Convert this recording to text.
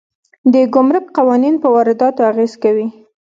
د ګمرک قوانین په وارداتو اغېز کوي.